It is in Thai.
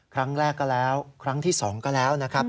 ครั้งแรกก็แล้วครั้งที่๒ก็แล้วนะครับ